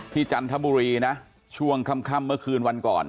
จันทบุรีนะช่วงค่ำเมื่อคืนวันก่อน